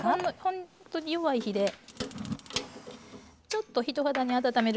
ほんとに弱い火でちょっと人肌に温める程度。